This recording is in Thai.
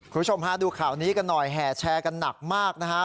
คุณผู้ชมฮะดูข่าวนี้กันหน่อยแห่แชร์กันหนักมากนะฮะ